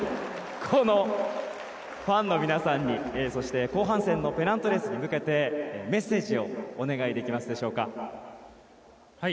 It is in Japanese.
このファンの皆さんにそして後半戦のペナントレースに向けてメッセージをお願いできますでしょうか。